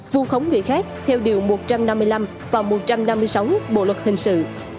vu khống người khác theo điều một trăm năm mươi năm và một trăm năm mươi sáu bộ luật hình sự